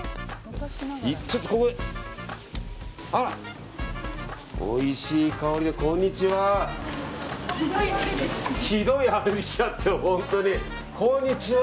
あら、おいしい香りでこんにちは。